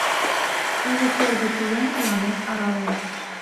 Уло кӧргӧ тулем Тыланет аралем.